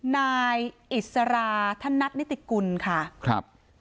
นายอิสราธนัทนิติกุลค่ะครับ